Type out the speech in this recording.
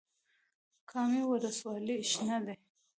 کامې ولسوالۍ شنه ده؟